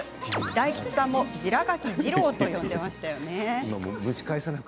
大吉さんも「じら垣じ郎」と呼んでましたよね。